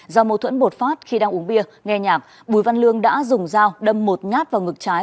do mâu thuẫn bột phát khi đang uống bia nghe nhạc bùi văn lương đã dùng dao đâm một nhát vào ngực trái